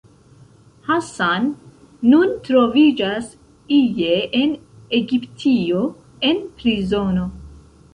Hassan nun troviĝas ie en Egiptio, en prizono.